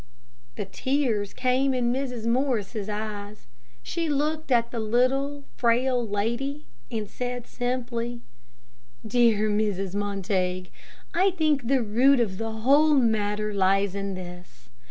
The tears came in Mrs. Morris' eyes. She looked at the little, frail lady, and said, simply "Dear Mrs. Montague, I think the root of the whole matter lies in this.